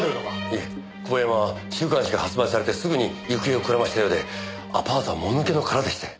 いえ久保山は週刊誌が発売されてすぐに行方をくらましたようでアパートはもぬけの殻でして。